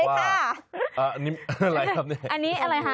อันนี้อะไรครับเนี่ยอันนี้อะไรคะ